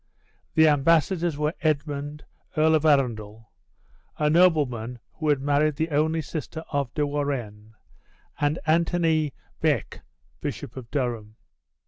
The ambassadors were Edmund, Earl of Arundel (a nobleman who had married the only sister of De Warenne), and Anthony Beck, Bishop of Durham.